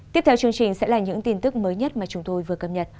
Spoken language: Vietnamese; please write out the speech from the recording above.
tiếp theo chương trình sẽ là những tin tức mới nhất mà chúng tôi vừa cập nhật